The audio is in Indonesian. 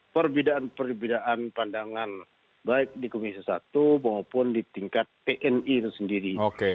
perbedaan perbedaan pandangan baik di komisi satu maupun di tingkat tni itu sendiri